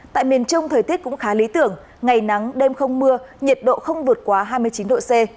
tại miền trung thời tiết cũng khá lý tưởng ngày nắng đêm không mưa nhiệt độ không vượt quá hai mươi chín độ c